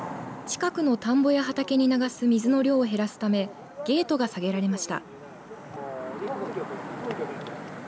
近くの田んぼや畑に流す水の量を減らすためゲートが下げられました。